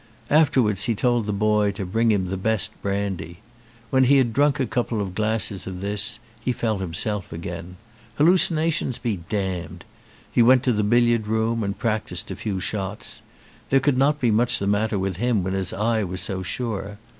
Afterwards he told the boy to bring him the best brandy. When he had drunk a couple of glasses of this he felt himself again. Hallucinations be damned ! He went to the billiard room and prac tised a few difficult shots. There could not be much the matter with him when his eye was so sure.